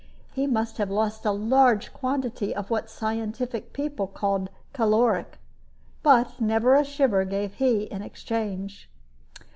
He must have lost a large quantity of what scientific people call "caloric." But never a shiver gave he in exchange.